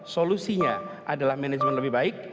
solusinya adalah manajemen lebih baik